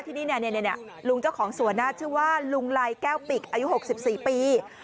ที่นี่ลุงเจ้าของสวนชื่อว่าลุงไลแก้วปิกอายุ๖๔ปี